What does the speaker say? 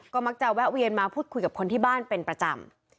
ก็มักจะแวะเวียนมาพูดคุยกับคนที่บ้านเป็นประจำ